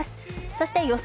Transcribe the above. そして予想